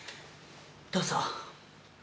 どうぞ。